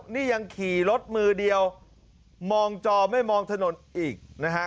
นี่ยังขี่รถมือเดียวมองจอไม่มองถนนอีกนะฮะ